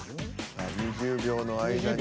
さあ２０秒の間に。